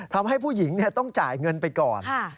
ทำให้ผู้หญิงต้องจ่ายเงินไปก่อน